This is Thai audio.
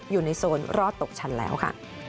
อยู่ในโซนรอดตกชั้นแล้วค่ะ